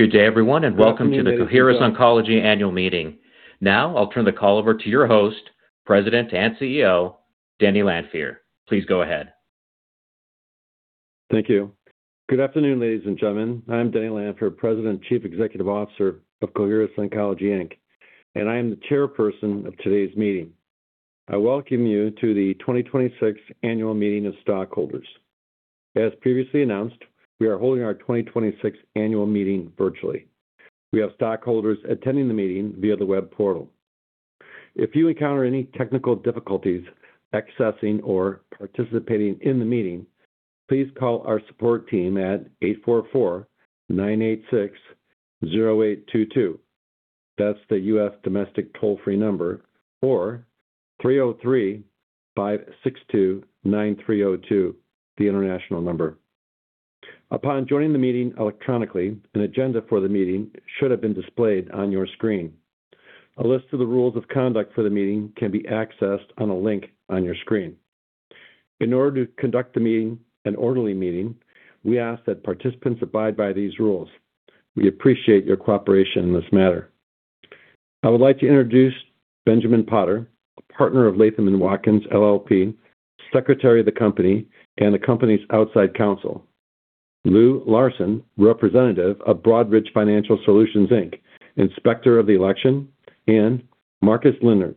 Good day everyone, welcome to the Coherus Oncology Annual Meeting. Now, I'll turn the call over to your host, President and Chief Executive Officer, Denny Lanfear. Please go ahead. Thank you. Good afternoon, ladies and gentlemen. I'm Denny M. Lanfear, President, Chief Executive Officer of Coherus Oncology, Inc., and I am the Chairperson of today's meeting. I welcome you to the 2026 Annual Meeting of Stockholders. As previously announced, we are holding our 2026 annual meeting virtually. We have stockholders attending the meeting via the web portal. If you encounter any technical difficulties accessing or participating in the meeting, please call our support team at 844-986-0822. That's the U.S. domestic toll-free number, or 303-562-9302, the international number. Upon joining the meeting electronically, an agenda for the meeting should have been displayed on your screen. A list of the rules of conduct for the meeting can be accessed on a link on your screen. In order to conduct an orderly meeting, we ask that participants abide by these rules. We appreciate your cooperation in this matter. I would like to introduce Benjamin Potter, a Partner of Latham & Watkins LLP, Secretary of the company, and the company's outside counsel. Lou Larson, representative of Broadridge Financial Solutions, Inc., Inspector of the Election, and Marcus Leonard,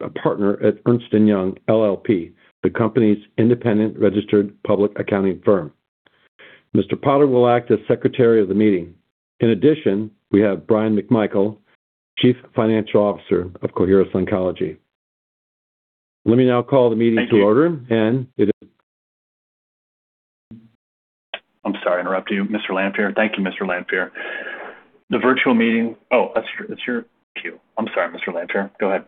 a Partner at Ernst & Young LLP, the company's independent registered public accounting firm. Mr. Potter will act as Secretary of the meeting. In addition, we have Bryan McMichael, Chief Financial Officer of Coherus Oncology. Let me now call the meeting to order. I'm sorry to interrupt you, Mr. Lanfear. Thank you, Mr. Lanfear. Oh, that's your cue. I'm sorry, Mr. Lanfear. Go ahead.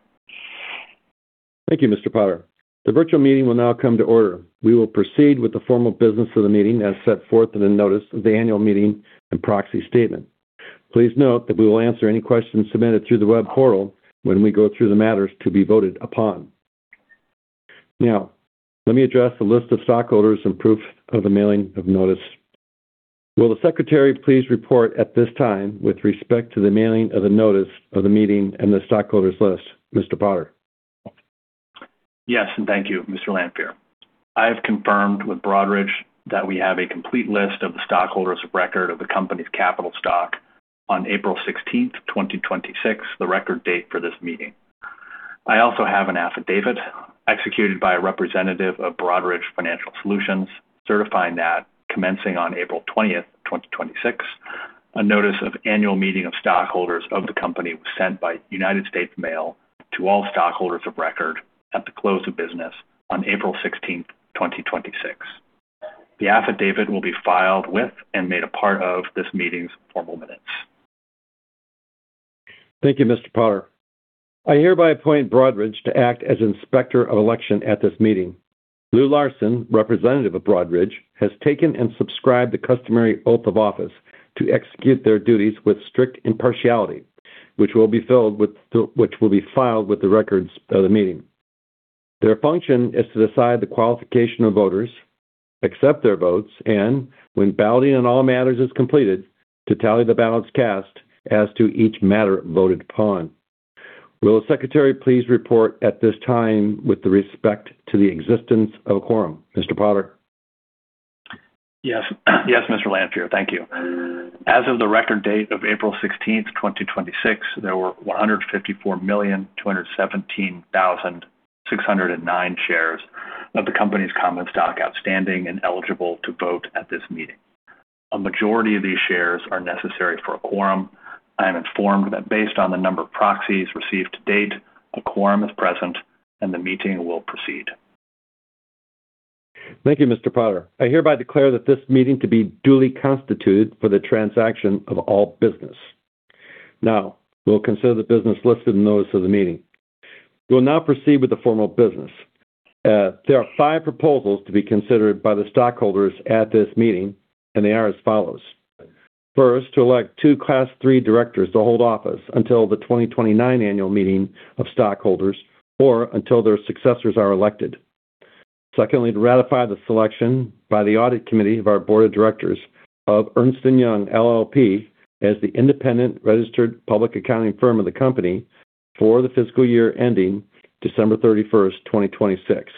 Thank you, Mr. Potter. The virtual meeting will now come to order. We will proceed with the formal business of the meeting as set forth in the Notice of the Annual Meeting and Proxy Statement. Please note that we will answer any questions submitted through the web portal when we go through the matters to be voted upon. Let me address the List of Stockholders and proof of the mailing of notice. Will the Secretary please report at this time with respect to the mailing of the Notice of the Meeting and the Stockholders' List? Mr. Potter? Yes, thank you, Mr. Lanfear. I have confirmed with Broadridge that we have a complete list of the Stockholders of Record of the company's capital stock on April 16th, 2026, the Record Date for this meeting. I also have an affidavit executed by a representative of Broadridge Financial Solutions, certifying that commencing on April 20th, 2026, a Notice of Annual Meeting of Stockholders of the company was sent by United States Mail to all Stockholders of Record at the close of business on April 16th, 2026. The affidavit will be filed with and made a part of this meeting's formal minutes. Thank you, Mr. Potter. I hereby appoint Broadridge to act as Inspector of Election at this meeting. Lou Larson, representative of Broadridge, has taken and subscribed the customary oath of office to execute their duties with strict impartiality, which will be filed with the records of the meeting. Their function is to decide the qualification of voters, accept their votes, and when balloting on all matters is completed, to tally the ballots cast as to each matter voted upon. Will the Secretary please report at this time with respect to the existence of a quorum? Mr. Potter? Yes, Mr. Lanfear. Thank you. As of the Record Date of April 16th, 2026, there were 154,217,609 shares of the company's common stock outstanding and eligible to vote at this meeting. A majority of these shares are necessary for a quorum. I am informed that based on the number of proxies received to date, a quorum is present, and the meeting will proceed. Thank you, Mr. Potter. I hereby declare that this meeting to be duly constituted for the transaction of all business. Now, we'll consider the business listed in the Notice of the Meeting. We will now proceed with the formal business. There are five proposals to be considered by the stockholders at this meeting, and they are as follows. First, to elect two Class III directors to hold office until the 2029 Annual Meeting of Stockholders or until their successors are elected. Secondly, to ratify the selection by the Audit Committee of our Board of Directors of Ernst & Young LLP as the independent registered public accounting firm of the company for the fiscal year ending December 31st, 2026.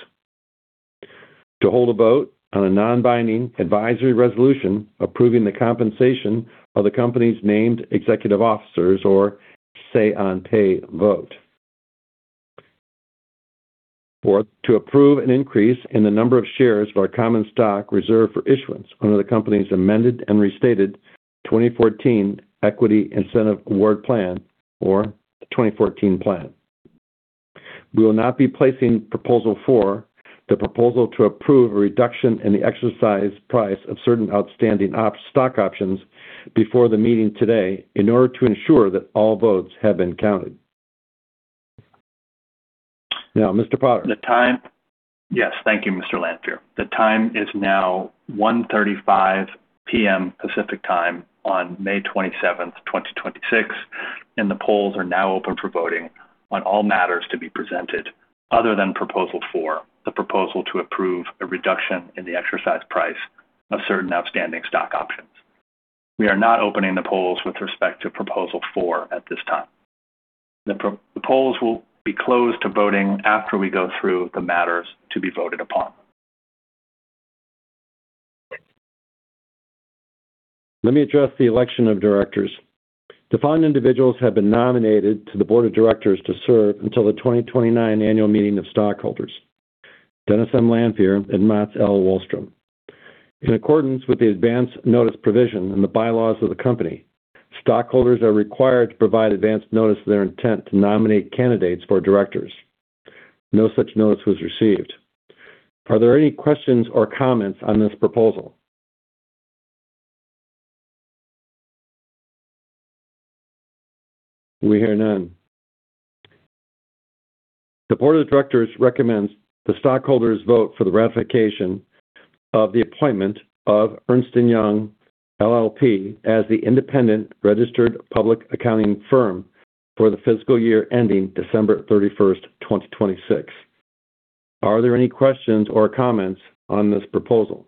To hold a vote on a non-binding advisory resolution approving the compensation of the company's named executive officers or Say on Pay vote. Fourth, to approve an increase in the number of shares of our common stock reserved for issuance under the company's amended and restated 2014 Equity Incentive Award Plan, or the 2014 plan. We will not be placing Proposal 4, the proposal to approve a reduction in the exercise price of certain outstanding stock options before the meeting today in order to ensure that all votes have been counted. Now, Mr. Potter. Thank you, Mr. Lanfear. The time is now 1:35 P.M. Pacific Time on May 27th, 2026. The polls are now open for voting on all matters to be presented other than Proposal 4, the proposal to approve a reduction in the exercise price of certain outstanding stock options. We are not opening the polls with respect to Proposal 4 at this time. The polls will be closed to voting after we go through the matters to be voted upon. Let me address the election of directors. The following individuals have been nominated to the board of directors to serve until the 2029 Annual Meeting of Stockholders, Dennis M. Lanfear and Mats L. Wahlström. In accordance with the advance notice provision in the Bylaws of the company, stockholders are required to provide advance notice of their intent to nominate candidates for directors. No such notice was received. Are there any questions or comments on this proposal? We hear none. The Board of Directors recommends the stockholders vote for the ratification of the appointment of Ernst & Young LLP as the independent registered public accounting firm for the fiscal year ending December 31st, 2026. Are there any questions or comments on this proposal?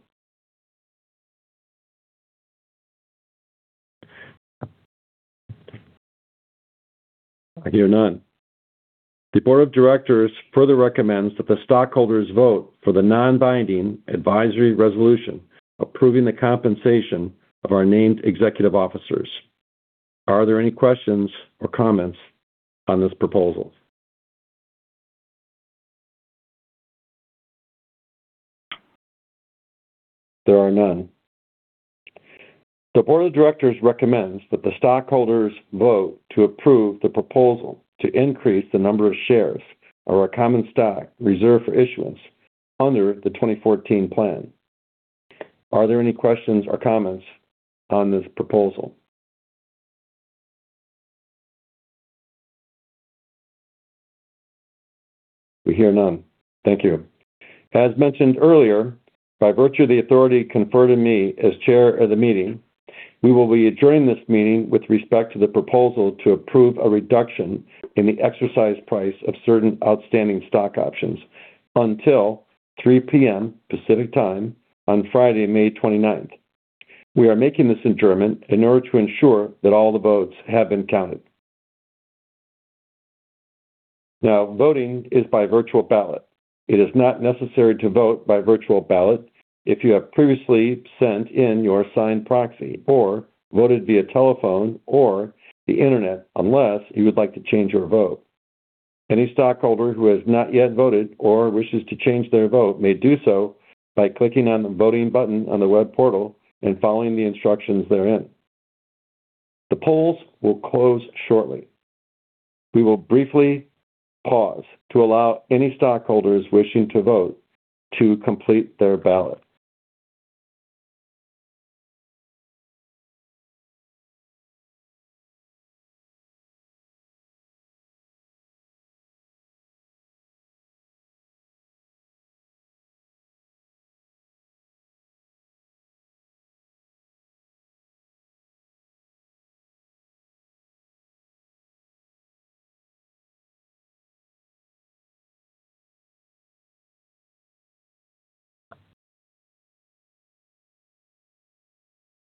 I hear none. The Board of Directors further recommends that the stockholders vote for the Non-Binding Advisory Resolution approving the compensation of our named executive officers. Are there any questions or comments on this proposal? There are none. The Board of Directors recommends that the stockholders vote to approve the proposal to increase the number of shares of our common stock reserved for issuance under the 2014 Plan. Are there any questions or comments on this proposal? We hear none. Thank you. As mentioned earlier, by virtue of the authority conferred in me as Chair of the Meeting, we will be adjourning this meeting with respect to the proposal to approve a reduction in the exercise price of certain outstanding stock options until 3:00 P.M. Pacific Time on Friday, May 29th. We are making this adjournment in order to ensure that all the votes have been counted. Voting is by Virtual Ballot. It is not necessary to vote by virtual ballot if you have previously sent in your signed proxy or voted via telephone or the Internet, unless you would like to change your vote. Any stockholder who has not yet voted or wishes to change their vote may do so by clicking on the voting button on the web portal and following the instructions therein. The polls will close shortly. We will briefly pause to allow any stockholders wishing to vote to complete their ballot.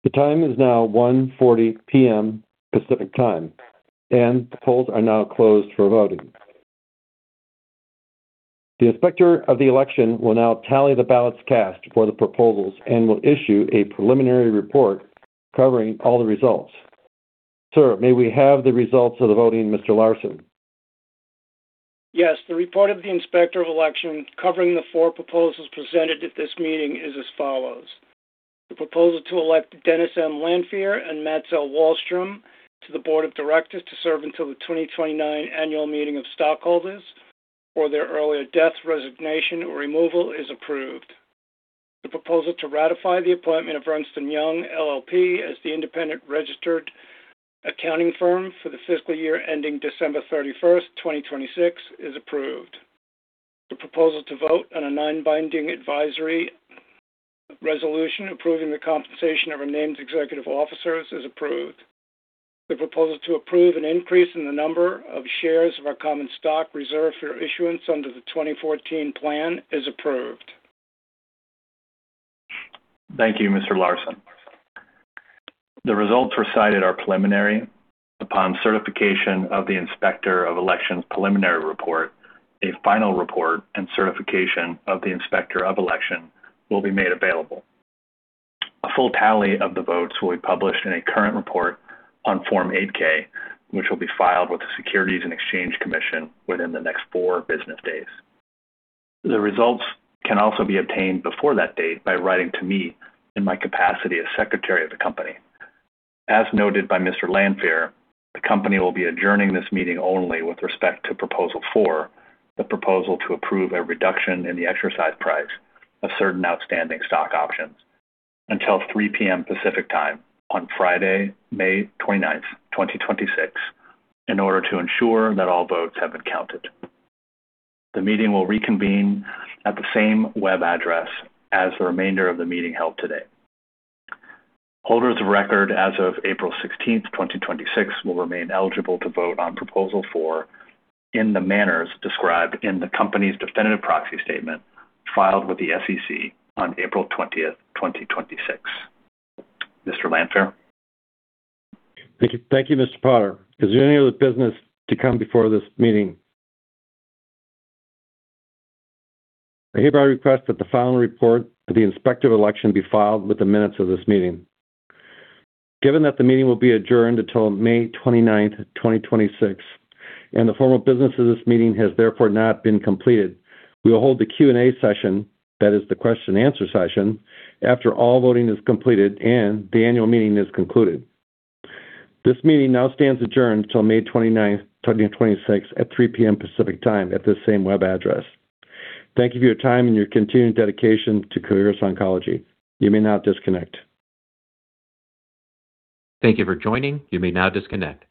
The time is now 1:40 P.M. Pacific Time, and the polls are now closed for voting. The inspector of the election will now tally the ballots cast for the proposals and will issue a preliminary report covering all the results. Sir, may we have the results of the voting, Mr. Larson? Yes. The report of the Inspector of Election covering the four proposals presented at this meeting is as follows. The proposal to elect Dennis M. Lanfear and Mats L. Wahlström to the Board of Directors to serve until the 2029 Annual Meeting of Stockholders or their earlier death, resignation, or removal is approved. The proposal to ratify the appointment of Ernst & Young LLP as the independent registered accounting firm for the fiscal year ending December 31, 2026 is approved. The proposal to vote on a Non-Binding Advisory Resolution approving the compensation of our Named Executive Officers is approved. The proposal to approve an increase in the number of shares of our common stock reserved for issuance under the 2014 Plan is approved. Thank you, Mr. Larson. The results recited are preliminary. Upon certification of the Inspector of Elections preliminary report, a final report and certification of the Inspector of Election will be made available. A full tally of the votes will be published in a Current Report on Form 8-K, which will be filed with the Securities and Exchange Commission within the next four business days. The results can also be obtained before that date by writing to me in my capacity as Secretary of the company. As noted by Mr. Lanfear, the company will be adjourning this meeting only with respect to Proposal 4, the proposal to approve a reduction in the exercise price of certain outstanding stock options, until 3:00 P.M. Pacific Time on Friday, May 29th, 2026, in order to ensure that all votes have been counted. The meeting will reconvene at the same web address as the remainder of the meeting held today. Holders of Record as of April 16th, 2026, will remain eligible to vote on Proposal 4 in the manners described in the company's Definitive Proxy Statement filed with the SEC on April 20th, 2026. Mr. Lanfear. Thank you, Mr. Potter. Is there any other business to come before this meeting? I hereby request that the final report of the Inspector of Election be filed with the minutes of this meeting. Given that the meeting will be adjourned until May 29th, 2026, and the formal business of this meeting has therefore not been completed, we will hold the Q&A session, that is the question and answer session, after all voting is completed and the annual meeting is concluded. This meeting now stands adjourned till May 29th, 2026, at 3:00 P.M. Pacific Time at this same web address. Thank you for your time and your continued dedication to Coherus Oncology. You may now disconnect. Thank you for joining. You may now disconnect.